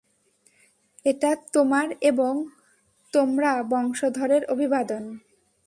এটা তোমার এবং তোমরা বংশধরের অভিবাদন।